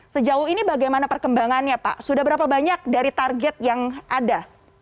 sejauh ini bagaimana perkembangannya pak sudah berapa banyak dari target yang ada